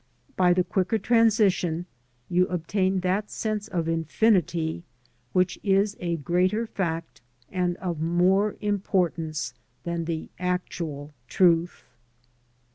By the quicker transition you obtain that sense of infinity which is a. greater fact and of more importance than the actual truth.